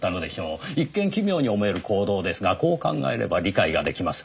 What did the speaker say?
一見奇妙に思える行動ですがこう考えれば理解が出来ます。